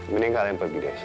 mending kalian pergi dari sini